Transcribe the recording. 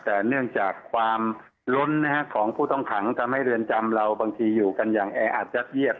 แต่เนื่องจากความล้นของผู้ต้องขังทำให้เรือนจำเราบางทีอยู่กันอย่างแออัดยัดเยียด